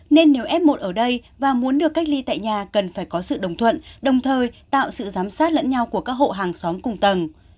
nên nếu f một ở đây và muốn được cách ly tại nhà cần phải có sự đồng thuận đồng thời tạo sự giám sát lẫn nhau của các hộ hàng xóm cùng tầng